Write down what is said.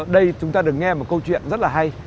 đây chúng ta được nghe một câu chuyện rất là hay